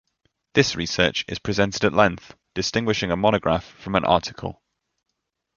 This research is presented at length, distinguishing a monograph from an article.